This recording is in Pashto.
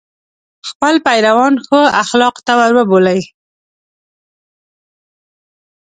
خپل پیروان ښو اخلاقو ته وروبولي.